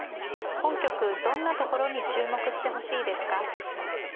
本局どんなところに注目してほしいですか。